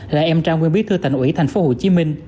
là em trao nguyên bí thư tành ủy tp hcm